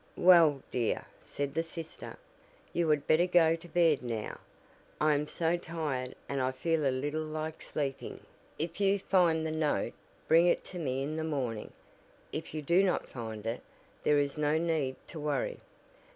"Well, dear," said the sister, "you had better go to bed now. I am so tired and I feel a little like sleeping. If you find the note, bring it to me in the morning; if you do not find it, there is no need to worry.